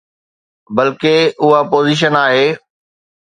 بلڪه، اها اپوزيشن آهي.